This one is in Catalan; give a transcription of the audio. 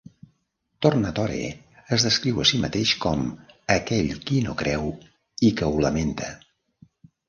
Tornatore es descriu a si mateix com "aquell qui no creu i que ho lamenta".